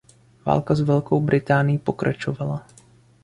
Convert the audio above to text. Válka s Velkou Británií pokračovala.